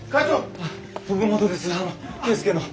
あの圭輔の。